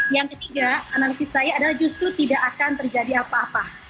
yang ketiga analisis saya adalah justru tidak akan terjadi apa apa